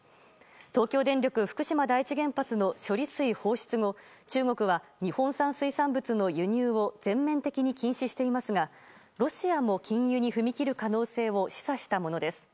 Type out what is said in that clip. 東京電力福島第一原発の処理水放出後中国は日本産水産物の輸入を全面的に禁止していますがロシアも禁輸に踏み切る可能性を示唆したものです。